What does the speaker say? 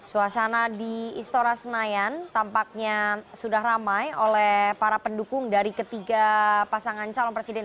suasana di istora senayan tampaknya sudah ramai oleh para pendukung dari ketiga pasangan calon presiden